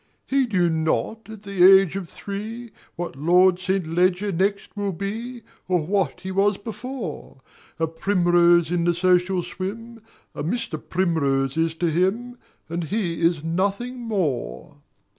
He knew not, at the age of three, What Lord St. Leger next will be Or what he was before; A Primrose in the social swim A Mr. Primrose is to him, And he is nothing more.